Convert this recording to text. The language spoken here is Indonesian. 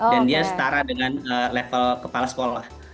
dan dia setara dengan level kepala sekolah